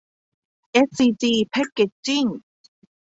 เอสซีจี แพคเกจจิ้ง